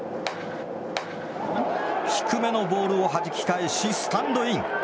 低めのボールをはじき返しスタンドイン。